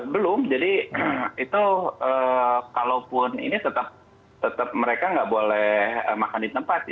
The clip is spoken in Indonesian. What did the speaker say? belum jadi itu kalaupun ini tetap mereka nggak boleh makan di tempat